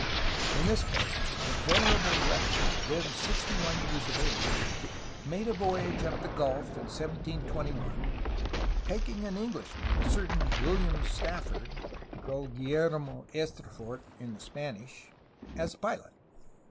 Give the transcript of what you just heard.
In this boat the venerable rector, then sixty one years of age, made a voyage up the gulf, in 1721, taking an Englishman, a certain William Strafford (called Guillermo Estrafort in the Spanish), as pilot.